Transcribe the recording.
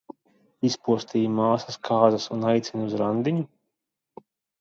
Izpostīji māsas kāzas un aicini uz randiņu?